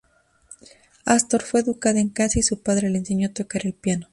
Astor fue educada en casa y su padre le enseñó a tocar el piano.